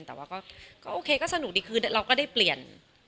แต่ว่าก็โอเคก็สนุกดีคือเราก็ได้เปลี่ยน